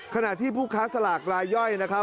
ขณะที่ผู้ค้าสลากรายย่อยนะครับ